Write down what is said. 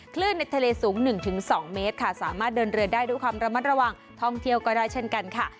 คลื่นในทะเลสูง๑๒เมตรค่ะสามารถเดินเรือได้ด้วยความระมัดระวังท่องเที่ยวก็ได้เช่นกันค่ะ